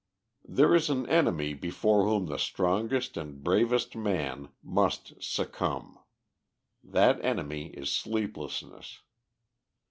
There is an enemy before whom the strongest and bravest man must succumb; that enemy is sleeplessness.